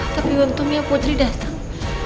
tapi untungnya putri datang